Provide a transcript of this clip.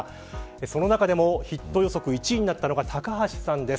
その中でもヒット予測１位は高橋さんです。